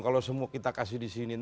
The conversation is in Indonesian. kalau semua kita kasih di sini